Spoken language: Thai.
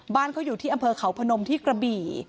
บ้านเขาอยู่ที่อำเภอเขาพนมที่กระบี่